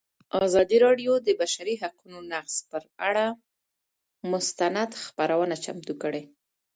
ازادي راډیو د د بشري حقونو نقض پر اړه مستند خپرونه چمتو کړې.